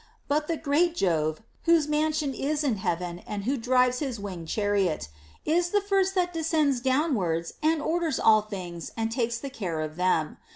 But the great Jove, whose mansion is in heaven and who drives his winged chariot, is the first that descends downwards and orders all things and takes the care of them.